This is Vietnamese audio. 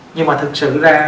nhưng mà thực sự ra